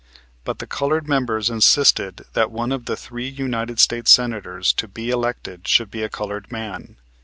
But the colored members insisted that one of the three United States Senators to be elected should be a colored man.